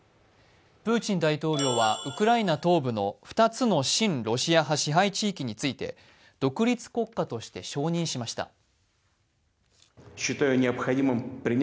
プーチン大統領はウクライナ東部の２つの親ロシア派賜杯地域について独立国家として承認しました。